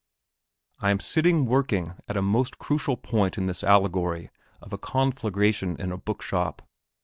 I am sitting working at a most crucial point in this Allegory of a Conflagration in a Bookshop.